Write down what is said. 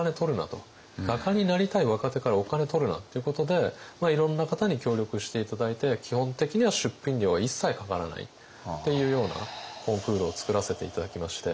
画家になりたい若手からお金取るなっていうことでいろんな方に協力して頂いて基本的には出品料は一切かからないっていうようなコンクールをつくらせて頂きまして。